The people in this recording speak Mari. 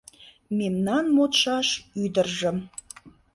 Мемнан модшаш ӱдыржым